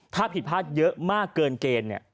ถ้าผิดพลาดเยอะมากเกินเกณฑ์เนี่ย